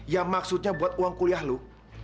yang maksudnya buat uang kuliah lo